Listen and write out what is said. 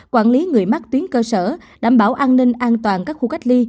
quản lý người mắc tuyến cơ sở đảm bảo an ninh an toàn các khu cách ly